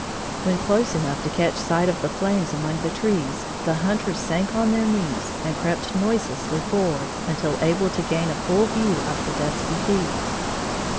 When close enough to catch sight of the flames among the trees, the hunters sank on their knees and crept noiselessly forward until able to gain a full view of the dusky thieves.